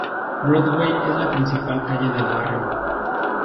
Broadway es la principal calle del barrio.